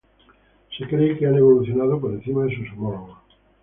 Se cree que han evolucionado por encima de sus homólogos.